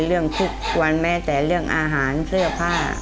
เรื่องทุกวันแม้แต่เรื่องอาหารเสื้อผ้า